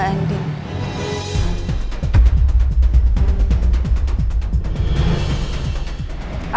aku janjian sama dia